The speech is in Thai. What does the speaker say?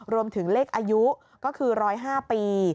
รวมถึงเลขอายุก็คือ๑๐๕ปี